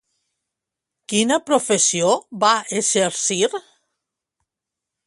Quina professió va exercir?